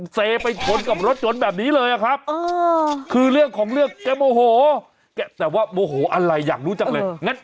เซไปชนกับรถยนต์แบบนี้เลยครับคือเรื่องของเรื่องแกโมโหแกแต่ว่าโมโหอะไรอยากรู้จังเลย